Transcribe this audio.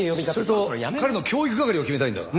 それと彼の教育係を決めたいんだが。